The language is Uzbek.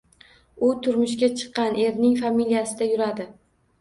U turmushga chiqqan, erining familiyasida yuradi.